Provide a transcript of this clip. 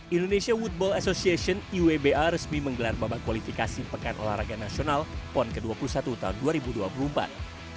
indonesia woodball association iwba resmi menggelar babak kualifikasi pekan olahraga nasional pon ke dua puluh satu tahun dua ribu dua puluh empat